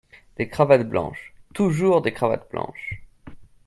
Des cravates blanches ! toujours des cravates blanches !